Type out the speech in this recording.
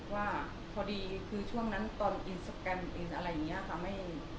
ว่าพอดีคือช่วงนั้นตอนอินสแกรมอินอะไรอย่างนี้ค่ะ